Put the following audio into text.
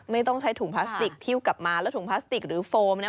ไม่ต้องใช้ถุงพลาสติกหิ้วกลับมาแล้วถุงพลาสติกหรือโฟมนะ